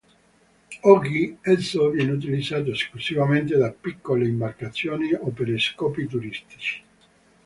Oggi esso viene utilizzato esclusivamente da piccole imbarcazioni o per scopi turistici.